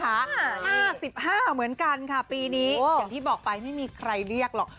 ห้าสิบห้าเหมือนกันค่ะปีนี้อย่างที่บอกไปไม่มีใครเรียกหรอก